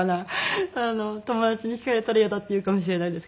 友達に聞かれたらイヤだって言うかもしれないですけど。